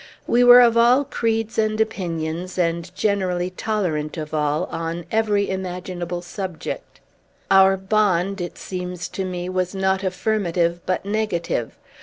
We were of all creeds and opinions, and generally tolerant of all, on every imaginable subject. Our bond, it seems to me, was not affirmative, but negative.